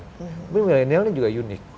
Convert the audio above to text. tapi milenial ini juga unik